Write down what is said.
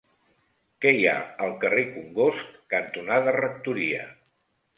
Què hi ha al carrer Congost cantonada Rectoria?